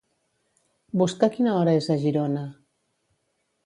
Busca quina hora és a Girona.